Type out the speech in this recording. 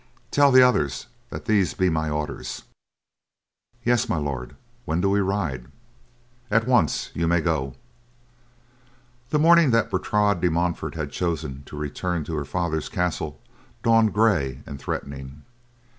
Tell the others that these be my orders." "Yes, My Lord. When do we ride?" "At once. You may go." The morning that Bertrade de Montfort had chosen to return to her father's castle dawned gray and threatening.